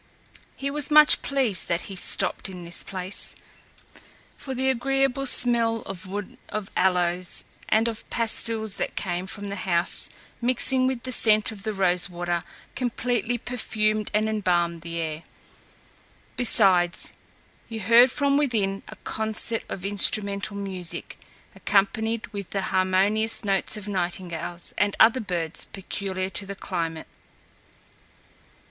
He was much pleased that he stopped in this place; for the agreeable smell of wood of aloes, and of pastils that came from the house, mixing with the scent of the rose water, completely perfumed and embalmed the air. Besides, he heard from within a concert of instrumental music, accompanied with the harmonious notes of nightingales, and other birds, peculiar to the climate.